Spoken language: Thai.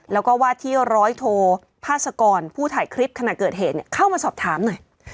แล้วก็ว่าที่ร้อยโทพาสกรผู้ถ่ายคลิปขณะเกิดเหตุเข้ามาสอบถามหน่อย